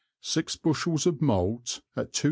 d. Six Bushels of Malt at 2s.